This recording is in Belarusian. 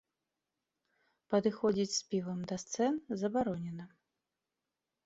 Падыходзіць з півам да сцэн забаронена.